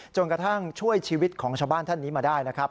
กระทั่งช่วยชีวิตของชาวบ้านท่านนี้มาได้นะครับ